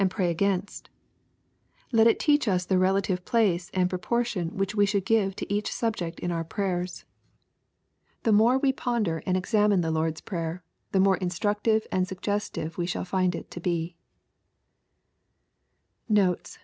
7 pray against. Let it teach us the relative place and proportion which we should give to each subject in our prayers. The more we ponder and examine the Lord's Prayer, the more instructive and suggestive shall we find it to be. Notes.